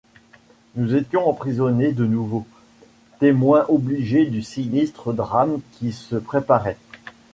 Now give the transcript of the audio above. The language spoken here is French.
Nous étions emprisonnés de nouveau, témoins obligés du sinistre drame qui se préparait.